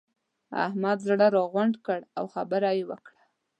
احمد زړه راغونډ کړ؛ او خبره يې وکړه.